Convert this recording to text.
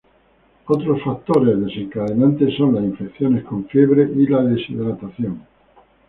Otros factores desencadenantes son las infecciones con fiebre y la deshidratación.